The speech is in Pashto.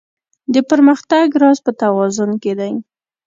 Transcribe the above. د پرمختګ راز په توازن کې دی.